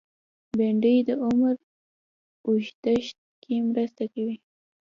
بېنډۍ د عمر اوږدښت کې مرسته کوي